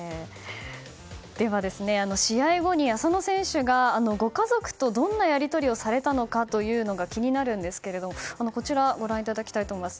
では試合後に浅野選手がご家族とどんなやり取りをされたのかというのが気になるんですけどご覧いただきたいと思います。